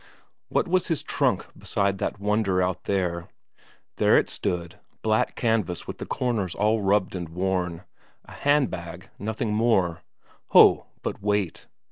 What was his trunk beside that wonder out there? There it stood, black canvas with the corners all rubbed and worn; a handbag, nothing more ho, but wait!